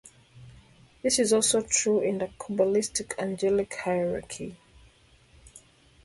This is also true in the Kabbalistic angelic hierarchy.